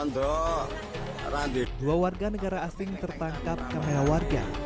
dua warga negara asing tertangkap kamera warga